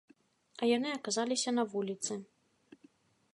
А яны аказаліся на вуліцы.